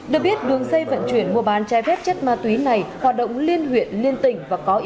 được biết đường xây vận chuyển mua bán chai vết chất ma túy này hoạt động liên huyện liên tỉnh